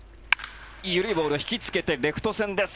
緩いボール引きつけてレフト線です。